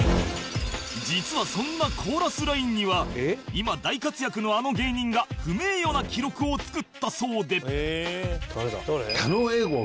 実はそんなコーラスラインには今大活躍のあの芸人が不名誉な記録を作ったそうで